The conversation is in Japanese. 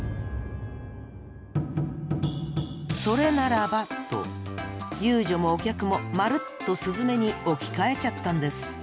それならばと遊女もお客もまるっとスズメに置き換えちゃったんです。